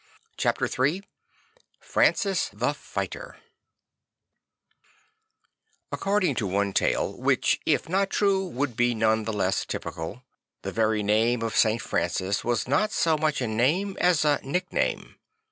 Chapter III Francis the Fighter ACCORDING to one tale, which if not true would be none the less typical, the very name of St. Francis was not so much a name as a nickname.